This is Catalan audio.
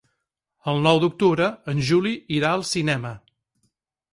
El nou d'octubre en Juli irà al cinema.